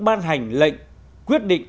ban hành lệnh quyết định